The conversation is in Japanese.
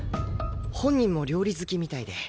本人も料理好きみたいで。